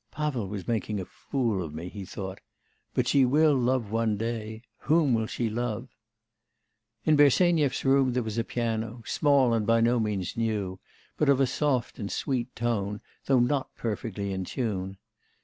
'Pavel was making a fool of me,' he thought; '... but she will love one day... whom will she love?' In Bersenyev's room there was a piano, small, and by no means new, but of a soft and sweet tone, though not perfectly in tune.